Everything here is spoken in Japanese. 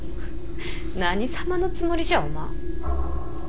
何様のつもりじゃお万。